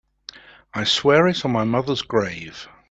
I swear it on my mother's grave.